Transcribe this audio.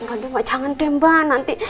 aduh mbak jangan tembak nanti